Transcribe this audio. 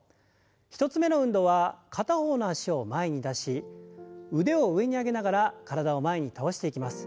１つ目の運動は片方の脚を前に出し腕を上に上げながら体を前に倒していきます。